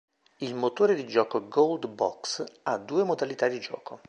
Il motore di gioco "Gold Box" ha due modalità di gioco.